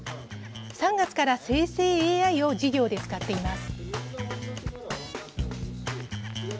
３月から生成ＡＩを授業で使っています。